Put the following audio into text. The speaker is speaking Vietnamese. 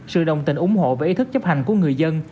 sự đồng tình ủng hộ và ý thức chấp hành của người dân